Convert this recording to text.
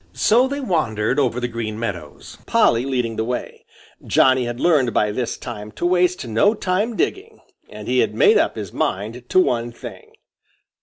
So they wandered over the Green Meadows, Polly leading the way. Johnny had learned by this time to waste no time digging. And he had made up his mind to one thing.